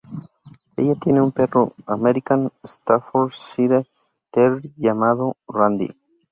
Ella tiene un perro American Staffordshire terrier llamado Randy.